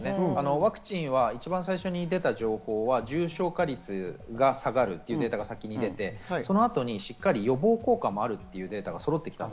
ワクチンは一番最初に出た情報は重症化率が下がるというデータが先に出て、そのあと予防効果もあるというデータがそろってきました。